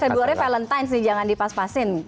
empat belas februari valentine's nih jangan dipas pasin